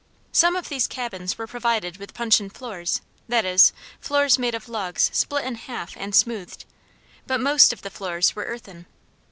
Some of these cabins were provided with puncheon floors, i.e., floors made of logs split in half and smoothed, but most of the floors were earthen.